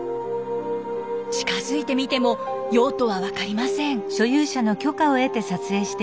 近づいてみても用途は分かりません。